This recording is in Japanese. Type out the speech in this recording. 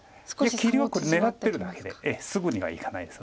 いや切りは狙ってるだけですぐにはいかないです。